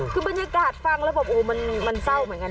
คือบรรยากาศฟังแล้วแบบโอ้มันเศร้าเหมือนกัน